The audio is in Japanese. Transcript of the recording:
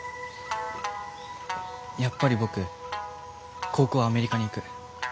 やっぱり僕高校はアメリカに行く。